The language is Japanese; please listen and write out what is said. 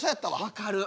分かる。